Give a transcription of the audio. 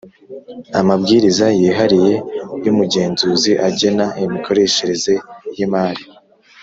Amabwiriza yihariye y’ umugenzuzi agena imikoreshereze y’Imari